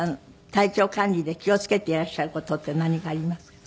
体調管理で気を付けていらっしゃる事って何かありますか？